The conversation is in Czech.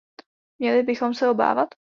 Měli bychom se obávat?